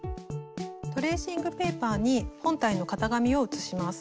トレーシングペーパーに本体の型紙を写します。